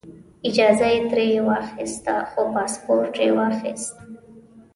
اجازه یې ترې واخیسته خو پاسپورټ یې واخیست.